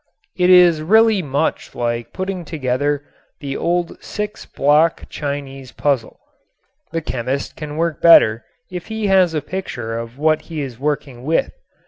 It is really much like putting together the old six block Chinese puzzle. The chemist can work better if he has a picture of what he is working with.